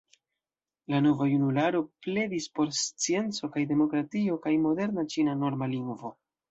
La Nova Junularo pledis por scienco kaj demokratio kaj moderna ĉina norma lingvo.